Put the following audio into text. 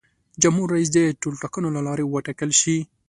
جمهور رئیس دې د ټولټاکنو له لارې وټاکل شي.